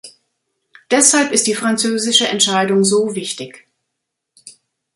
Deshalb ist die französische Entscheidung so wichtig.